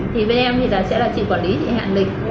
thì bên em thì sẽ là chị quản lý chị hẹn lịch